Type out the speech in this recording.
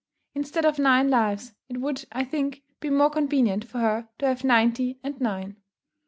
Instead of nine lives, it would I think, be more convenient for her to have ninety and nine.